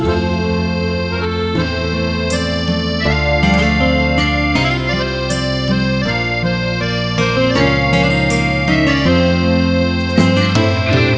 และมีคนของฉัน